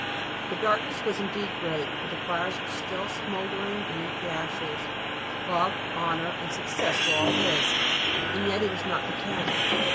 The darkness was indeed great, but the fires were still smouldering beneath the ashes. Love, honour, and success were all his, and yet he was not content.